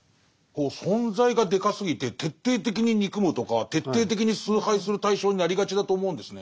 存在がでかすぎて徹底的に憎むとか徹底的に崇拝する対象になりがちだと思うんですね。